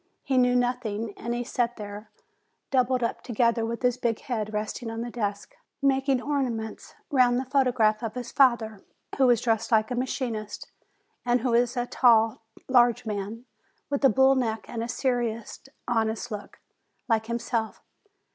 He knew nothing. And he sat there, doubled up together, with his big head resting on the desk, making orna ments round the photograph of his father, who was dressed like a machinist, and who is a tall, large man. with a bull neck and a serious, honest look, like him self.